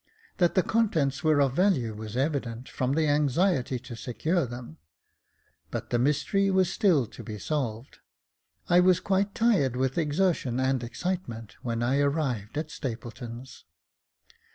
That the contents were of value was evident, from the anxiety to secure them j but the mystery was still to be solved. I was quite tired with exertion and excitement when I arrived at Stapleton's.